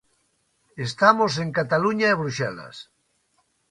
Estamos en Cataluña e Bruxelas.